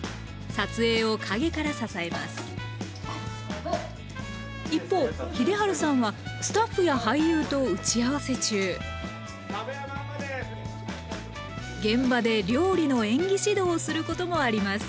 撮影を陰から支えます一方秀治さんはスタッフや俳優と打ち合わせ中現場で料理の演技指導をすることもあります。